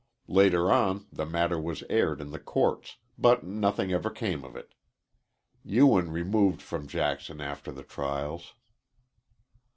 Later on the matter was aired in the courts, but nothing ever came of it. Ewen removed from Jackson after the trials.